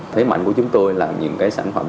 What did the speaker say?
thế mạnh của chúng tôi là những sản phẩm